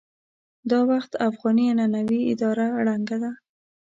دا وخت افغاني عنعنوي اداره ړنګه ده.